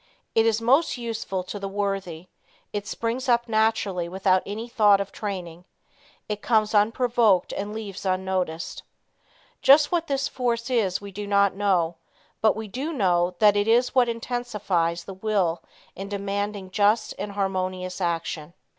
It is most useful to the worthy. It springs up naturally without any thought of training. It comes unprovoked and leaves unnoticed. Just what this force is we do not know, but we do know that it is what intensifies the will in demanding just and harmonious action.